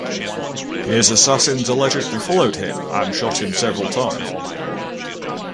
His assassins allegedly followed him and shot him several times.